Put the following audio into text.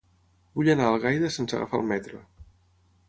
Vull anar a Algaida sense agafar el metro.